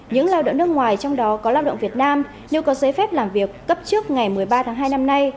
những lao động nước ngoài trong đó có lao động việt nam nếu có giấy phép làm việc cấp trước ngày một mươi ba tháng hai năm nay